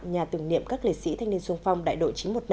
nhà tưởng niệm các lệ sĩ thanh niên xuân phong đại độ chín trăm một mươi năm